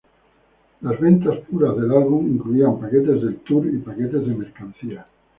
Las ventas puras del álbum incluían paquetes del tour y paquetes de mercancía.